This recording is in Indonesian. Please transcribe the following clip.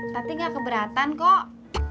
nanti gak keberatan kok